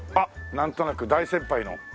なんとなく大先輩の。